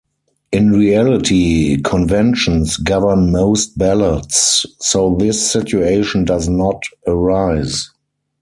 In reality, conventions govern most ballots, so this situation does not arise.